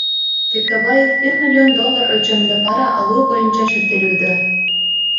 Текебаев бир миллион доллар өлчөмүндө пара алуу боюнча шектелүүдө.